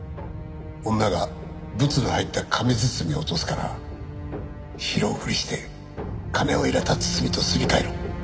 女がブツが入った紙包みを落とすから拾うふりして金を入れた包みとすり替えろ。